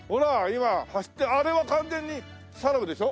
今走ってあれは完全にサラブでしょ？